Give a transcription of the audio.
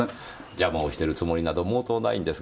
邪魔をしてるつもりなど毛頭ないんですがね。